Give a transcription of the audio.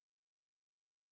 mereka melihat karya mereka